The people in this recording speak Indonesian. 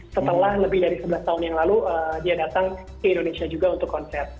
setelah lebih dari sebelas tahun yang lalu dia datang ke indonesia juga untuk konser